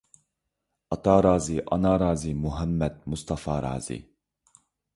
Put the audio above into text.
ئاتا رازى، ئانا رازى، مۇھەممەد مۇستافا رازى.